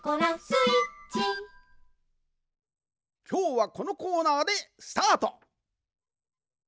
きょうはこのコーナーでスタート。